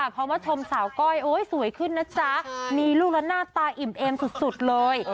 เพราะว่าชมสาวก้อยสวยขึ้นนะจ๊ะมีลูกแล้วหน้าตาอิ่มเอมสุดเลย